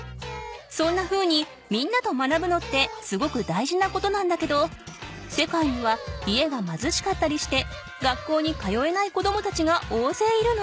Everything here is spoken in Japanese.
そんなふうにみんなと学ぶのってすごく大事なことなんだけど世界には家がまずしかったりして学校に通えない子どもたちがおおぜいいるの。